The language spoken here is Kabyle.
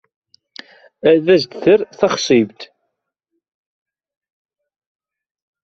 Ad as-d-terr texṣimt.